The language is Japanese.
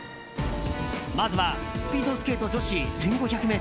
まずはスピードスケート女子１５００ｍ。